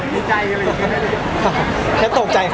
ไม่ได้เจอในคุณหรอก